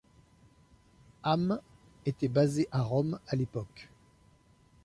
Ames était basé à Rome à l'époque.